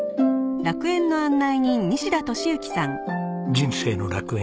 『人生の楽園』